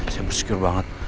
saya bersyukur banget